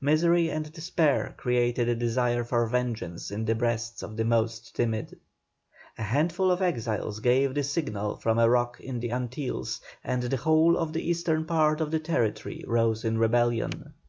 Misery and despair created a desire for vengeance in the breasts of the most timid. A handful of exiles gave the signal from a rock in the Antilles, and the whole of the eastern part of the territory rose in rebellion.